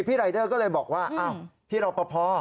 พี่รายเดอร์ก็เลยบอกว่าพี่เราพอ